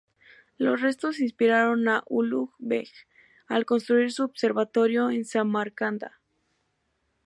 Los restos inspiraron a Ulugh Beg al construir su observatorio en Samarcanda.